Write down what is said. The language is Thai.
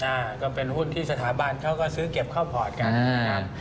ก็เป็นหุ้นที่สถาบันเขาก็ซื้อเก็บเข้าพอร์ตกันนะครับ